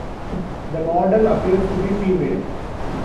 The model appears to be female.